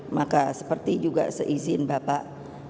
maka seperti juga seizin bapak